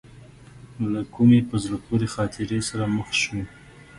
له کومې په زړه پورې خاطرې سره مخ شوې.